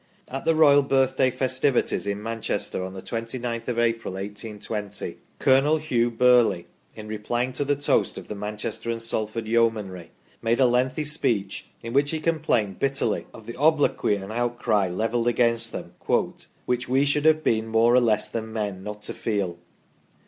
At the Royal Birthday festivities in Manchester on the 29th of April, 1 820, Colonel Hugh Birley, in replying to the toast of the Manchester and Salford Yeomanry, made a lengthy speech, in which he complained bitterly of the obloquy and outcry levelled against them, " which we should have been more or less than men not to feel